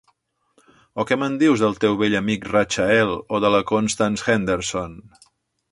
O que me'n dius del teu vell amic Rachael, o de la Constance Henderson?